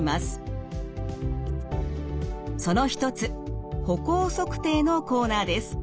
その一つ歩行測定のコーナーです。